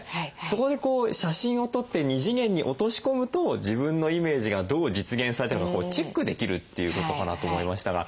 そこでこう写真を撮って２次元に落とし込むと自分のイメージがどう実現されたのかチェックできるっていうことかなと思いましたが。